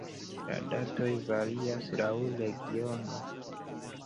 La datoj varias laŭ regiono.